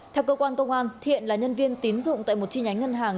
theo cơ quan công an thiện là nhân viên tín dụng tại một chi nhánh ngân hàng